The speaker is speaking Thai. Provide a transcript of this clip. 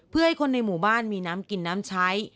เพื่อให้คนในหมู่บ้านมีน้ำกินน้ำใช้